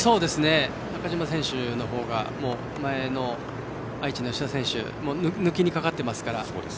中島選手の方が前の愛知の吉田選手を抜きにかかってますから。